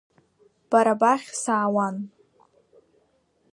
Бара бахь саауан.